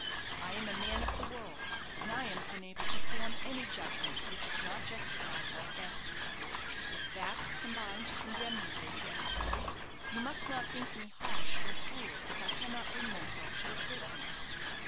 I am a man of the world, and I am unable to form any judgment which is not justified by facts. If facts combine to condemn you, Lady Eversleigh, you must not think me harsh or cruel if I cannot bring myself to acquit you."